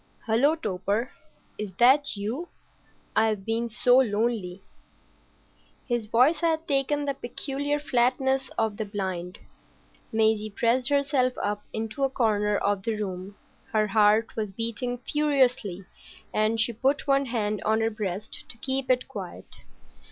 "Hullo, Torp! Is that you? I've been so lonely." His voice had taken the peculiar flatness of the blind. Maisie pressed herself up into a corner of the room. Her heart was beating furiously, and she put one hand on her breast to keep it quiet.